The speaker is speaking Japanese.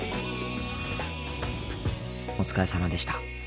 お疲れさまでした。